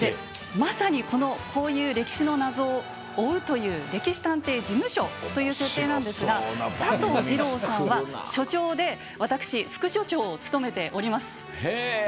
まさに、こういう歴史の謎を追うという歴史探偵事務所という設定なんですが佐藤二朗さんは所長で私、副所長を務めております。